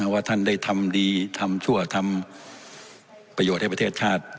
ว่าท่านได้ทำดีทำชั่วทำประโยชน์ให้ประเทศชาติ